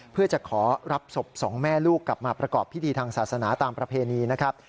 เพื่อจะขอรับศพสองแม่ลูกกลับมาประกอบพิธีทางศาสนาตามประเพณีนะครับ